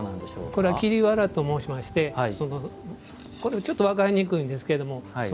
これ桐わらと申しましてちょっと分かりにくいんですけれども。